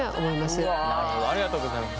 なるほどありがとうございます。